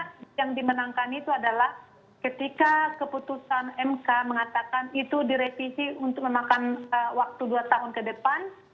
karena yang dimenangkan itu adalah ketika keputusan mk mengatakan itu direvisi untuk memakan waktu dua tahun ke depan